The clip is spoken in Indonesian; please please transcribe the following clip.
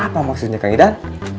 apa maksudnya kak idan